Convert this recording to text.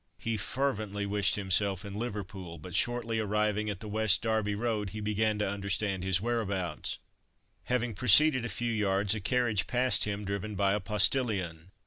He fervently wished himself in Liverpool, but shortly arriving at the West Derby road he began to understand his "whereabouts." Having proceeded a few yards, a carriage passed him driven by a postilion.